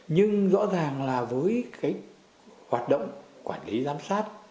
nhưng rõ ràng là với cái hoạt động quản lý giám sát